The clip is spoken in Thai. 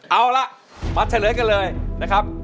เอาล่ะมาเฉลยกันเลยนะครับ